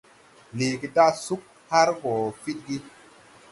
Leege daʼ sug har gɔ fidgi.